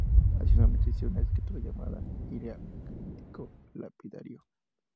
Adicionalmente, existía una escritura llamada hierático lapidario.